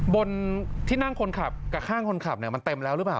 บนที่นั่งคนขับกับข้างคนขับมันเต็มแล้วหรือเปล่า